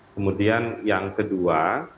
kemudian yang kedua